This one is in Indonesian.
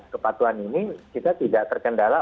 kepatuhan ini kita tidak terkendala